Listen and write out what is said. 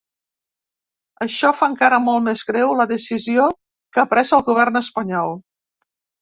Això fa encara molt més greu la decisió que ha pres el govern espanyol.